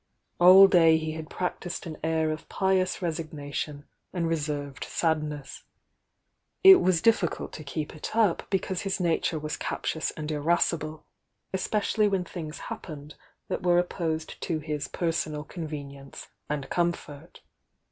All day he had practised an air of pious resignation and re served sadness;— it was difficult to keep it up be cause his nature was captious and irascible, espe cially when things happened that were opposed to his personal convenience and comfort.